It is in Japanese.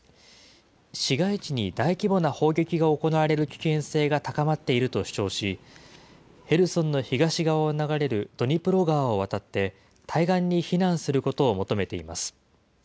市街地に大規模な砲撃が行われる危険性が高まっていると主張し、ヘルソンの東側を流れるドニプロ川を渡って、対岸に避難することを求めています。